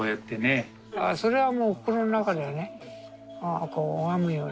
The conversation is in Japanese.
ああそれはもう心の中ではねこう拝むように。